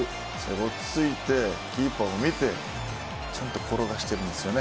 落ち着いて、キーパーを見てちゃんと転がしてるんですよね。